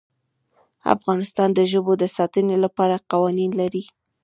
افغانستان د ژبو د ساتنې لپاره قوانین لري.